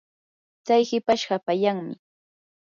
tsay hipash hapallanmi.